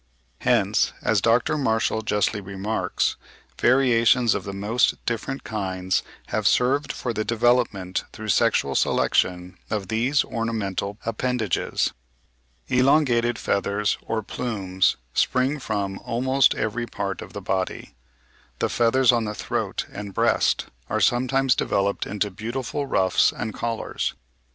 Hence, as Dr. Marshall justly remarks, variations of the most different kinds have served for the development through sexual selection of these ornamental appendages. Elongated feathers or plumes spring from almost every part of the body. The feathers on the throat and breast are sometimes developed into beautiful ruffs and collars.